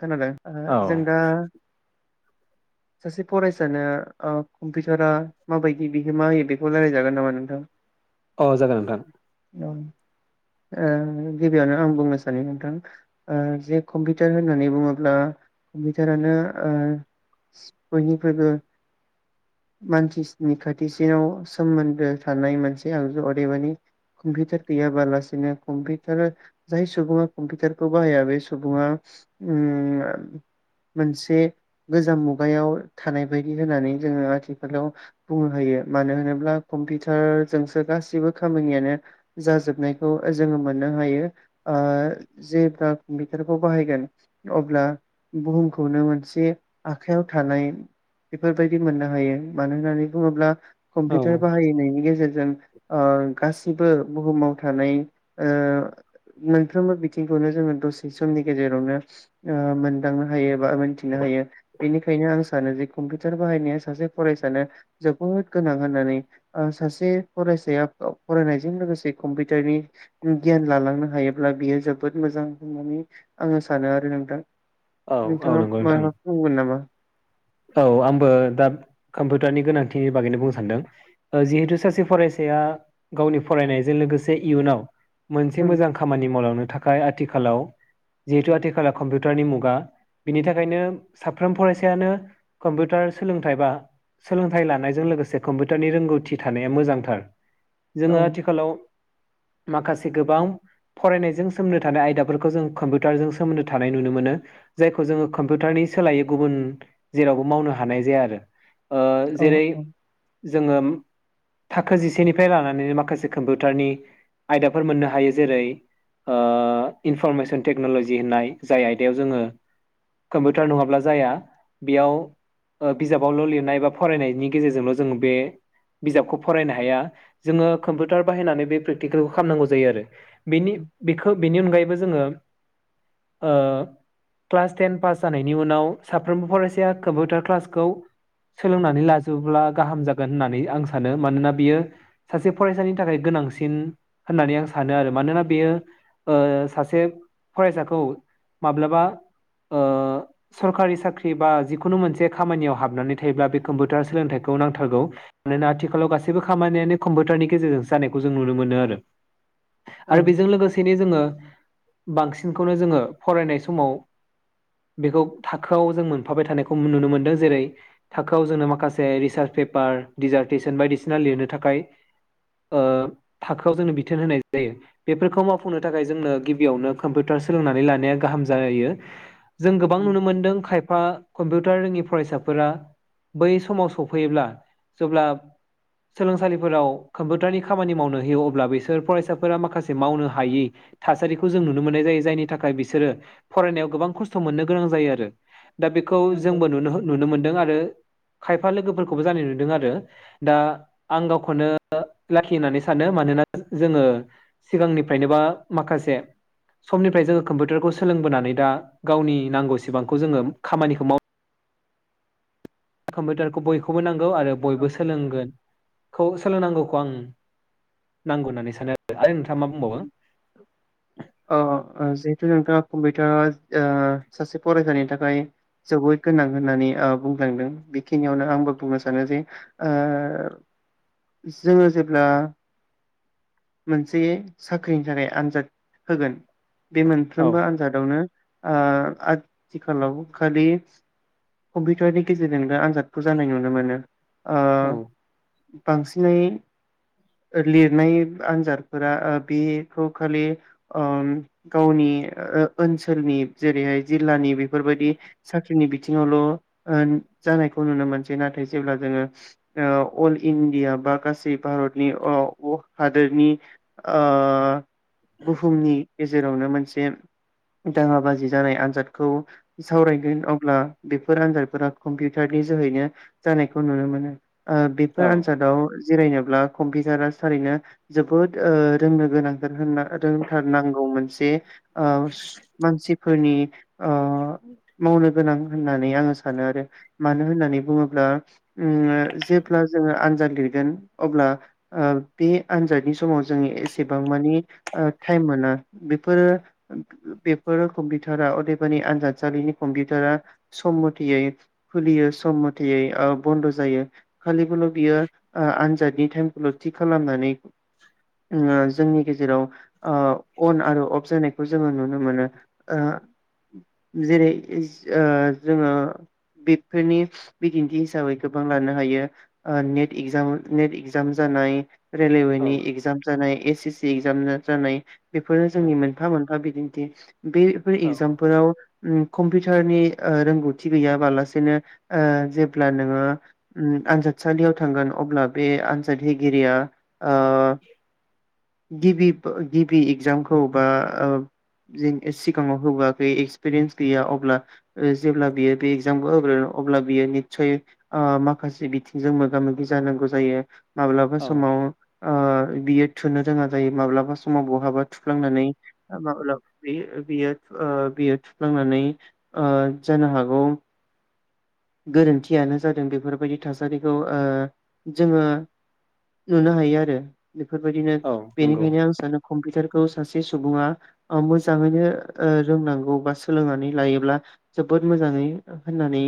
खोनादों ओ औ जों दा सासे फरायसानो ओ कम्पिउटारा माबायदि बिहोमा होयो बेखौ रायलायजागोन नामा नोंथां? अ जागोन नोंथां। ओ गिबियावनो आं बुंनो सानो नोंथां ओ जे कम्पिउटार होननानै बुङोब्ला कम्पिउटारानो ओ बयनिख्रुइबो मानसिनि खाथिसिनाव सोमोन्दो थानाय मोनसे आगजु अदेबानि कम्पिउटार गैयाबालासिनो कम्पिउटार जाय सुबुङा कम्पिउटारखौ बाहाया बे सुबुङा उम मोनसे गोजाम मुगायाव थानाय बायदि होननानै जोङो आथिखालाव बुंनो हायो मानो होनोब्ला कम्पिउटारजोंसो गासिबो खामानियानो जाजोबनायखौ जोङो मोननो हायो ओ जेब्ला कम्पिउटारखौ बाहायगोन अब्ला बुहुमखौनो मोनसे आखायाव थानाय बेफोरबायदि मोननो हायो मानो होननानै बुङोब्ला औ कम्पिउटार बाहायनायनि गेजेरजों ओ गासै बुहुमाव थानाय ओ मोनफ्रबो बिथिंखौनो जोङो दसे सम समनि गेजेरावनो ओ मोनदांनो हायो बा मोनथिनो हायो बेनिखायनो आं सानो जे कम्पिउटार बाहायनाया सासे फरायसानो जोबोद गोनां होननानै ओ सासे फरायसाया फरायनायजों लोगोसे कम्पिउटारनि गियान लालांनो हायोब्ला बियो जोबोद मोजां होननानै आङो सानो आरो नोंथां। औ औ नोंथाङा नंगौ नोंथां माबाफोर बुंगोन नामा? औ आंबो दा कम्पिउटारनि गोनांथिनि बागैनो बुंनो सानदों जिहेतु सासे फरायसाया गावनि फरायनायजों लोगोसे इयुनाव मोनसे उम मोजां खामानि मावलांनो थाखाय आथिखालाव जिहेतु आथिखालाव कम्पिउटारनि मुुं बा बिनि थाखायनो साफ्रोम फरायसायानो कम्पिउटार सोलोंथाइ बा सोलोंथाइ लानायजों लोगोसे कम्पिउटारनि रोंगौथि थानाया मोजांथार औ जोङो आथिखालाव माखासे गोबां फरायनायजों सोमोन्दो थानाय आयदाफोरखौ जों कम्पिउटारजों सोमोन्दो थानाय नुनो मोनो। जायखौ जोङो कम्पिउटारनि सोलायै गुबुन जेरावबो मावनो हानाय जाया आरो। ओ औ जेरै औ जोङो थाखो जिसेनिफ्राय लानानैनो माखासे कम्पिउटारनि आयदाफोर मोननो हायो जेरै ओ इनफरमेसन टेक्न'लजि होननाय जाय आयदायाव जोङो कम्पिउटार नङाब्ला जाया बेयाव ओ बिजाबावल' लिरनाय बा फरायनायनि गेजेरजोंल' जोंङ बे बिजाबखौ फरायनो हाया जोङो कम्पिउटार बाहायनानै बे प्रेकटिकेलखौ खालामनांगौ जायो आरो। बेनि बेखौ बेनि अनगायैबो जोङो ओ क्लास टेन पास जानायनि उनाव साफ्रोमबो फरायसाया कम्पिउटार क्लासखौ सोलोंनानै लाजोबोब्ला गाहाम जागोन होननानै आं सानो। मानोना बियो सासे फरायसानि थाखाय गोनांसिन होननानै आं सानो आरो मानोना बेयो ओ सासे फरायसाखौ माब्लाबा ओ सरकारि साख्रि बा जिखुनु मोनसे खामानियाव हाबनानै थायोब्ला बे कम्पिउटार सोलोंथाइखौ नांथारगौ मानोना आथिखालाव गासैबो खामानियानो कम्पिउटारनि गेजेरजोंसो जानायखौ जों नुनो मोनो आरो। नंगौ आरो बेजों लोगोसेनो जोङो बांसिनखौनो जोङो फरायनाय समाव बेखौ थाखोआव जों मोनफाबाय थानायखौ नुनो मोनदों जेरै थाखोआव जोंनो माखासे रिसार्च पेपार दिडिजार्टेसन बायदिसिना लिरनो थाखाय ओ थाखोआव जोंनो बिथोन होनाय जायो बेफोरखौ मावफुंनो थाखाय जोंनो गिबियावनो कम्पिउटार सोलोंनानै लानाया गाहाम जायो। जों गोबां नुनो मोनदों खायफा कम्पिउटार रोङि फरायसाफोरा बै समाव सफैयोब्ला जेब्ला सोलोंसालिफोराव कम्पिउटारनि खामानि मावनो होयो अब्ला बिसोर फरायसाफोरा माखासे मावनो हायि थासारिखौ जों नुनो मोननाय जायो जायनि थाखाय बिसोरो फरायनायाव गोबां खस्थ' थ मोननो गोनां जायो आरो दा बेखौ जोंबो नु नंगौ नुनो मोनदों आरो खायफा लोगोफोरखौबो जानाय नुदों आरो दा आं गावखौनो लाखि होननानै सानो मानोना जोङो सिगांनिफ्रायनोबा माखासे समनिफ्राय जोङो कम्पिउटारखौ सोलोंबोनानै दा गावनि नांगौसेबांखौ जोङो कम्पिउटारखौ बयखौबो नांगौ गौ आरो औ बयबो सोलोंगोन खौ सोलोंनांगौखौ आं नांगौ होननानै सानो आरो नोंथां अ ओ जिहेतु नोंथाङा कम्पिउटारआ ओ सासे फरायसानि थाखाय जोबोद गोनां होननानै ओ बुंलांदों बेखिनियावनो आंबो बुंनो सानोदि ओ जोङो जेब्ला मोनसे साख्रिनि थाखाय आनजाद होगोन बे औ मोनफ्रोमबो आनजादावनो ओ आथिखालाव खालि कम्पिउटारनि गेजेरजोंनो आनजादखौ जानाय नुनो मोनो ओ औ बांसिनै लिरनाय आनजादफोरा ओ बेखौ खालि ओम गावनि ओ-ओनसोलनि जेरैहाय जिल्लानि बेफोरबायदि साख्रिनि बिथिङावल ओन जानायखौ नुनो मोनसै नाथाय जेब्ला जोङो अल इण्डिया बा गासै भारतनि अ-अ हादोरनि ओ बुहुमनि गेजेरावनो मोनसे दाङा बाजि जानाय आनजादखौ सावरायगोन अब्ला बेफोर आनजादफोरा कम्पिउटारनि जोहैनो जानायखौ नुनो मोनो ओ औ बेफोर आनजादाव जिरायनो ब्ला कम्पिउटारा थारैनो जोबोद ओ रोंनो गोनांथार होनना रोंथारनांगौ मोनसे ओ स मानसिफोरनि ओ मावनो गोनां होननानै आङो सानो आरो मानो होननानै बुङोब्ला ओम जेब्ला जोङो आनजाद लिरगोन अब्ला ओ बे आनजादनि समाव जोंनि एसेबां मानि ओ टाइम मोना बेफोरो बेफोरो कम्पिउटारा अदेबानि आनजादसालिनि कम्पिउटारा सम मथेयै खुलियो सम मथेयै ओ बन्द जायो खालिबोल बियो ओ आनजादनि टाइमखौल थि खालामनानै ओम जोंनि गेजेराव ओ अन आरो अफ जानायखौ जोङो नुनो मोनो ओ जेरै ओ जोङो बेफोरनि बिदिन्थि हिसाबै गोबां लानो हायो ओ नेट इजाम नेट इगजाम जानाय औ रेलेवेनि एगजाम जानाय एस एस इगजाम जानाय बेफोरनो औ जोंनि मोनफा मोनफा बिदि थि बेफोर औ इगजामफोराव‌ ओम कम्पिउटारनि ओ रोंगौथि गैयाबालासेनो जेब्लाओ नोङो ओम आनजादसालियाव थांगोन अब्ला बे आनजाद हैगिरिया ओ गिबि प गिबि इगजामखौ बा ओ [unintelligible] सिगाङाव होबोआखै एक्सपिरियेन्स गैया अब्ला ओ जेब्ला बियो बे इगजामखौ होगोन अब्ला बियो नितसय ओ माखासे बिथिंजों मोगा मोगि जानांगौ जायो माब्लाबा औ समाव ओ बियो थुनो रोङा जायो माब्लाबा समाव बहाबा थुफ्लांनानै माब्ला बियो बियो ओ बियो थुफ्लांनानै ओ जानो हागौ गोरोन्थियानो जादों बेफोरबायदि थासारिखौ ओ जोङो नुनो हायो आरो बेफोरबायदिनो औ नंगौ बेनिखायनो आं सानो कम्पिउटार खौ सासे सुबुङा अ मोजाङैनो ओ रोंनांगौ बा सोलोंनानै लायोब्ला जोबोद मोजाङै होननानै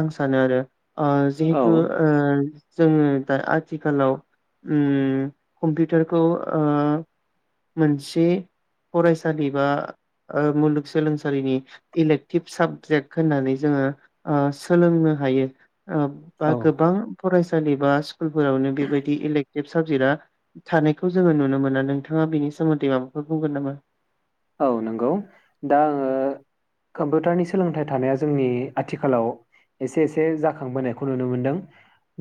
आं सानो आरो अ औ जिहेतु ओ जोङो दा आथिखालाव उम कम्पिउटारखौ ओ मोनसे फरायसालि बा ओ मुलुगसोलोंसालिनि इलेक्टिभ साबजेक्ट होननानै जोङो औ सोलोंनो हायो। ओ बा औ गोबां फरायसालि बा स्कुलफोरावनो बेबायदि इलेक्टिभ साबजेक्ट आ थानायखौ जोङो नुनो मोना नोंथाङा बेनि सोमोन्दै माबाफोर बुंगोन नामा? औ नंगौ दा आङो कम्पिउटारनि सोलोंथाइ थानाया जोंनि आथिखालाव एसे एसे जाखांबोनायखौ नुनो मोनदों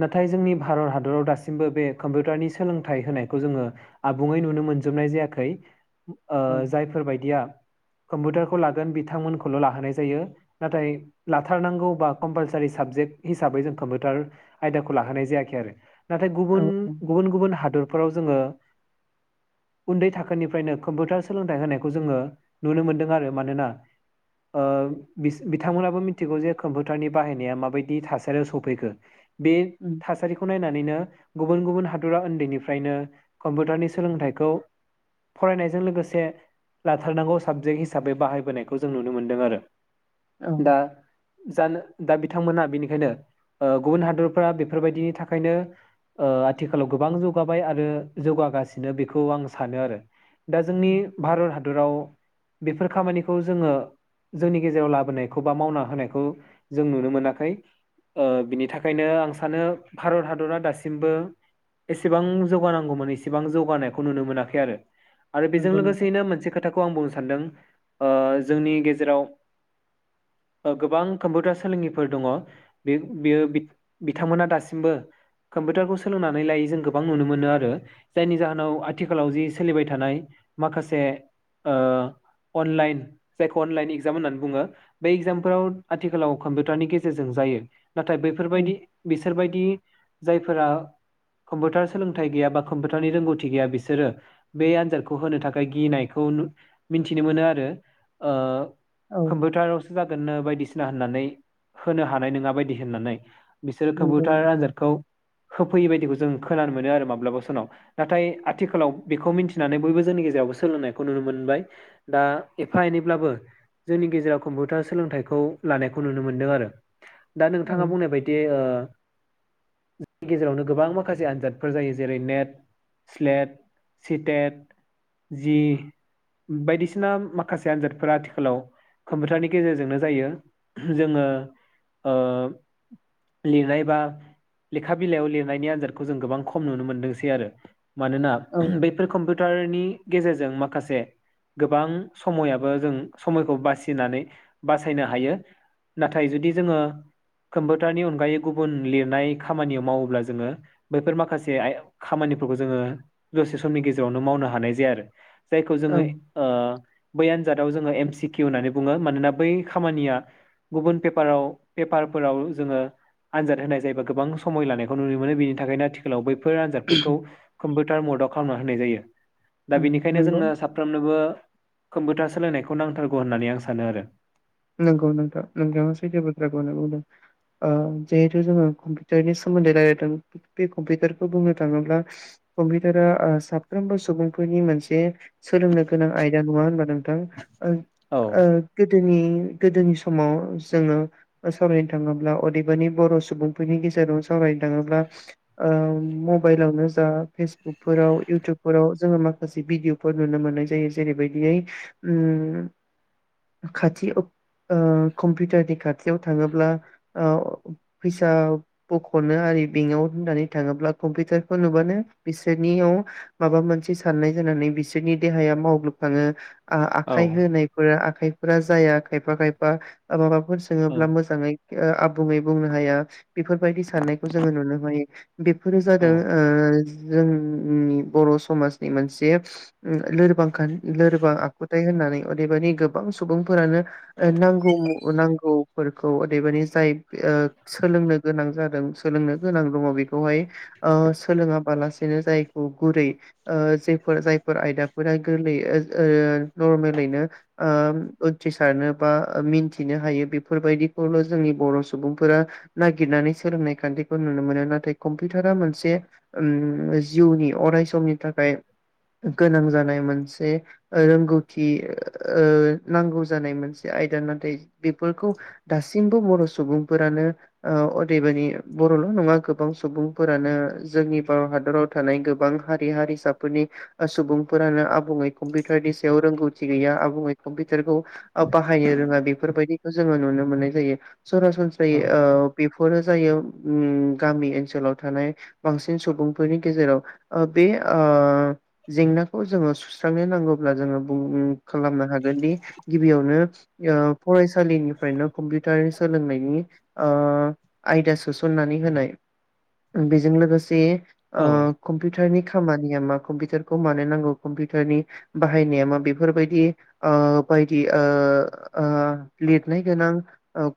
नाथाय जोंनि भारत हादराव दासिमबो बे कम्पिउटारनि सोलोंथाइ होनायखौ जोङो आबुङै नुनो मोनजोबनाय जायाखै ओ औ जाय या कम्पिउटारखौ लागोन बिथांमोनखौल' लाहोनाय जायो नाथाय लाथारनांगौबा कम्पालसारि साबजेक्ट हिसाबै जों कम्पिउटार आयदाखौ लाहोनाय जायाखै आरो नाथाय औ गुबुन औ गुबुन गुबुन हादर फोराव जोङो उन्दै थाखोनिफ्रायनो कम्पिउटार सोलोंथाय होनाय खौ जोङो नुनो मोनदों आरो मानोना ओ बिस बिथांमोनाबो मिथिगौ जे कम्पिउटारनि बाहायनाया माबायदि थासारियाव सफैखो बे उम थासारिखौ नायना नैनो गुबुन गुबुन हादरा उन्दैनिफ्रायनो कम्पिउटारनि सोलोंथाइखौ फरायनायजों लोगोसे लाथारनांगौ साबजेक्ट हिसाबै बाहायबोनायखौ जों नुनो मोन्दों आरो औ दा जानो दा बिथांमोनहा बेनिखायनो ओ गुबुन हादरफ्रा बेफोरबायदिनि थाखायनो ओ आथिखालाव गोबां जौगाबाय आरो जौगागासिनो बेखौ आं सानो आरो दा जोंनि भारत हादर दराव बेफोर खामानिखौ जोङो जोंनि गेजेराव लाबोनायखौ बा मावना होनायखौ जों नुनो मोनाखै ओ बिनि थाखायनो आं सानो भारत हादरा दासिमबो एसेबां जौगानांगौमोन एसेबां जौगानायखौ नुनो मोनाखै आरो आरो बेजों नंगौ नोंथां लोगोसेयैनो मोनसे खो खौ आं बुंनो सानदों ओ जोंनि गेजेराव गोबां कम्पिउटार सोलोंगिरिफोर दङ बे बेयो बिथांमोना दासिमबो कम्पिउटारखौ सोलोंनानै लायै जों गोबां नुनो मोनो आरो जायनि जाहोनाव आथिखालाव जि सोलिबाय थानाय माखासे ओ अनलाइन जायखौ अनलाइन इगजाम होननानै बुङो बे इगजामफोराव आथिखालाव कम्पिउटारनि गेजेरजों जायो। नाथाय उम बैफोरबायदि बिस सोरबायदि जायफोरा कम्पिउटार सोलोंथाइ गैया बा कम्पिउटारनि रोंगौथि गैया बिसोरो बे आनजादखौ होनो थाखाय गिनायखौ नु मिनथिनो मोनो आरो ओ औ कम्पिउटारावसो जागोननो बाय दिसिना होननानै होनो हानाय नङा बायदि होननानै बिसोरो नंगौ कम्पिउटार नोंथां आनजादखौ होफैयि बायदिखौ जों खोनानो मोनो आरो माब्लाबा समाव नाथाय आथिखालाव बेखौ मिन्थिनानै बयबो जोंनि गेजेरावबो सोलोंनायखौ नुनो मोनो बाय दा एफा एनैब्लाबो जोंनि गेजेराव कम्पिउटार सोलोंथाइखौ लानायखौ नुनो मोनदों आरो दा औ नोंथाङा बुंनाय बायदि ओ जोंनि गेजेरावनो गोबां माखासे आनजादफोर जायो जेरै- नेट, स्लेट, सिटेट, जि बायदिसिना माखासे आनजादफोरा आथिखालाव कम्पिउटारनि गेजेरजोंनो जायो जोङो ओ लिरनाय बा लेखा बिलाइयाव लिरनायनि आनजादखौ जों गोबां खम नुनो मोनदोंसै आरो मानोना औ बैफोर कम्पिउ टारनि गेजेरजों माखासे गोबां समयाबो जों समयखौ बासिनानै बासायनो हायो नाथाय जुदि जोङो कम्पिउटारनि अनगायै गुबुन लिरनाय खामानियाव मावोब्ला जोङो बैफोर माखासे खामानिफोरखौ जोङो दसे समनि गेजेरावनो मावनो हानाय जाया आरो जायखौ औ जोङो ओ बै आनजादाव जोङो एम सि किउ होननानै बुङो मानोना बै खामानिया गुबुन पेपाराव पेपारफोराव जोङो आनजाद होनाय जायोबा गोबां समय लानायखौ नुनो मोनो बेनि थाखायनो आथिखालाव बै फोर आनजादफोरखौ कम्पिउटार मदाव खालामना होनाय जायो। दा उम बेनिखायनो नंगौ जोंनो साबसिन बो कम्पिउटार सोलायनायखौ नांथारगौ होननानै आं सानो आरो नंगौ नोंथ नोंथाङा सैथो बाथ्राखौ बुंदों ओ जिहेतु जोङो कम्पिउटारनि सोमोन्दै रायलायदों बे कम्पिउटारखौ बुंनो थाङोब्ला कम्पिउटारा साफ्रोमबो सुबुंफोरनि मोनसे सोलोंनो गोनां आयदा नङा होनबा नोंथां औ दिनै गोदोनि समाव जोङो सावरायनो थाङोब्ला अदेबानि बर सुबुंफोरनि गेजेराव सावरायनो थाङोब्ला ओ मबाइलावनो जा फेसबुकफोराव इउटुबफोराव जोङो माखासे भिडिअफोर नुनो मोननाय जायो जेरैबायदियै खाथि ओ कम्पिउटारनि खाथियाव थाङोब्ला फैसा बखनो आरो बेंकआव होननानै थाङोब्ला कम्पिउटारखौ नुबानो बिसोरनियाव माबा मोनसे साननाय जानानै बिसोरनि देहाया मावग्लोबखाङो आ औ आखाय होनायफोरा आ खाइफोरा जाया खायफा खायफा ओ माबाब फोर सोङोब्ला औ मोजाङै ओ आबुङै बुंनो हाया बेफोरबायदि साननायखौ जोङो नुनो हायो बेफोरो जादों ओ जोंनि बर समाजनि मोनसे उम लोरबां होन लोरबां आखुथाय होननानै अदेबादानि गोबां सुबुंफोरानो ओ नांगौ नांगौ फोरखौ अदेबानि जाय ओ सोलोंनो गोनां जादों सोलोंनो गोनां दङ बेखौहाय ओ सोलोङाबालासेनो जायखौ गुरै ओ जफोर जायफोर आयदाफोरा गोरलैय ओ ओ नरमेलैनो उथ्रिसारनो बा मिथिनो हायो बेफोरबायदिखौल जोंनि बर सुबुंफोरा नागिरनानै सोलोंनाय खान्थिखौ नुनो मोनो नाथाय कम्पिउटारा मोनसे उम जिउनि अरायसनि थाखाय गोनां जानाय जाय मोनसे ओ रोंगौथि ओ नांगौ जानाय मोनस जों नाथाय बिफोरखौ दासिमबो बर सुबुंफोरानो ओ अदेबानि बर'ल' नङा गोबां सुबुंफोरानो जोंनि भारत हादराव थानाय गोबां हारि हारिसाफोरनि सुबुंफोराना आबुङै कम्पिउटारनि सायाव रोंगौथि गैया आबुङै कम्पिउटारखौ बाहायनो रोङा बेफोरबायदिखौ जोङो नुनो मोननाय जायो सरासनसराये औ ओ बेफोर फोरो जायो गामि उम ओनसोलाव थानाय बांसिन सुबुंफोरनि गेजेराव बे ओ जेंनाखौ जोङो सुस्रांनो नांगौब्ला जोङो खालामनो हागोन दि गिबियावनो ओ फरायसालिनिफ्रायनो कम्पिउटार सोलोंनायनि ओ आयदा सोसननानै होनाय बेजों लोगोसे ओ औ कम्पिउटारनि खामानिया मा कम्पिउटारखौ मानो नांगौ कम्पिउटारनि बाहायनाया मा बेफोरबायदि ओ बायदि ओ ओ लिरनाय गोनां।